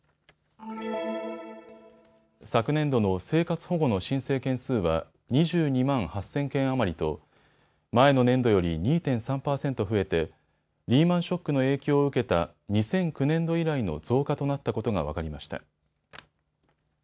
昨年度の生活保護の申請件数は２２万８０００件余りと前の年度より２．３％増えてリーマンショックの影響を受けた２００９年度以来の増加となったことが分かりました。